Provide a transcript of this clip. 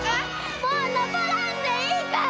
もう登らんでいいから！